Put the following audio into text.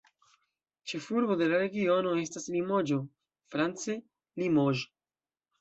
Ĉefurbo de la regiono estas Limoĝo, france "Limoges".